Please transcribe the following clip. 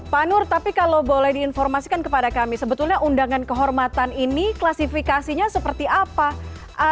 pak nur tapi kalau boleh diinformasikan kepada kami sebetulnya undangan kehormatan ini klasifikasinya seperti apa